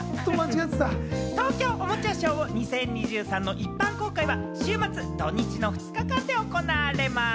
東京おもちゃショー２０２３の一般公開は週末、土日の２日間で行われます。